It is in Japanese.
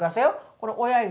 これ親指